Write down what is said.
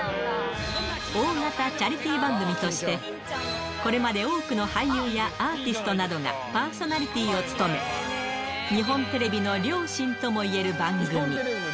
大型チャリティー番組として、これまで多くの俳優やアーティストなどがパーソナリティーを務め、日本テレビの良心ともいえる番組。